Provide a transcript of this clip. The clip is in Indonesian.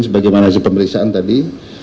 sebagaimana di pemeriksaan tadi